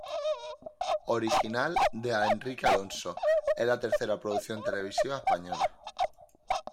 Original de Enrique Alfonso, es la tercera producción televisiva de la compañía productora.